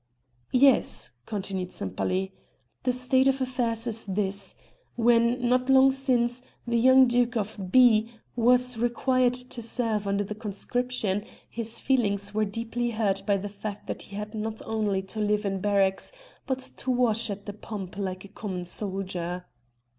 "Yes," continued Sempaly. "The state of affairs is this: When, not long since, the young duke of B was required to serve under the conscription, his feelings were deeply hurt by the fact that he had not only to live in barracks, but to wash at the pump like a common soldier.